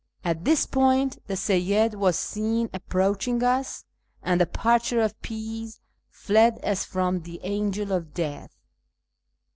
At this point the Seyyid was seen approaching us, and the Parcher of Peas fled as from the Angel of Death.